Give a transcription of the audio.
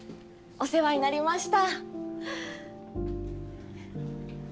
お世話になりました。